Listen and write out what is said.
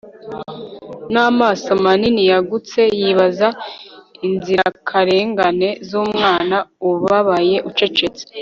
Namaso manini yagutse yibaza inzirakarengane zumwana ubabaye ucecetse